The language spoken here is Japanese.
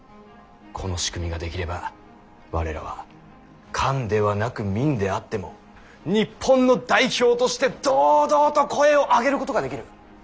この仕組みが出来れば我らは官ではなく民であっても日本の代表として堂々と声を上げることができる。